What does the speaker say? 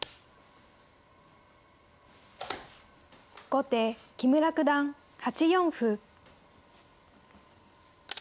後手木村九段８四歩。